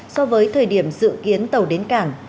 so với thời điểm dự kiến tàu đến cảng